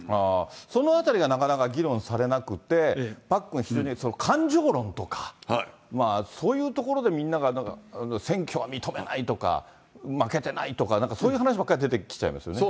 そのあたりがなかなか議論されなくて、パックン、非常に感情論とか、そういうところでみんなが選挙は認めないとか、負けてないとか、なんかそういう話ばっかり出てきちゃいますよね。